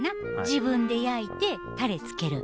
自分で焼いてタレつける？